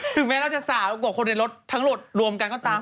ถึงแม้เราจะสาวกว่าคนในรถทั้งหมดรวมกันก็ตาม